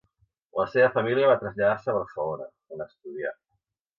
La seva família va traslladar-se a Barcelona, on estudià.